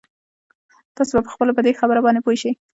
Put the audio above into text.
تاسې به خپله په دې خبره باندې پوه شئ.